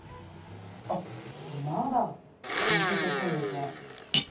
あっ、まだのせていくんですね。